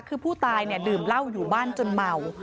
คือผู้ตายเนี่ยดื่มเหล้าอยู่บ้านจนเมา